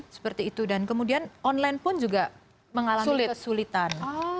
seperti itu dan kemudian online pun juga mengalami kesulitan